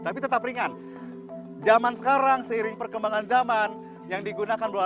tapi tetap ringan zaman sekarang seiring perkembangan zaman yang digunakan bola